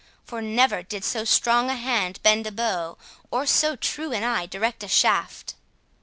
For never did so strong a hand bend a bow, or so true an eye direct a shaft."